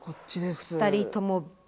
２人ともＢ。